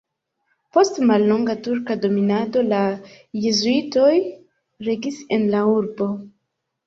Post mallonga turka dominado la jezuitoj regis en la urbo.